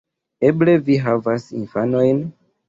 Eble vi havas infanojn?